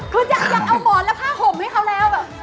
คุณอยากเอาหมอนแล้วผ้าผมให้เขาแล้ว